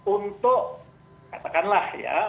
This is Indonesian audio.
untuk katakanlah ya